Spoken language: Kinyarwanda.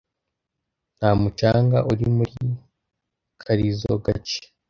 Nta mucanga uri muri karizoa gace.